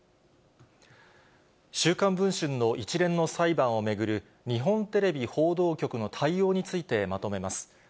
週刊文春の一連の裁判を巡る、日本テレビ報道局の対応についてまとめます。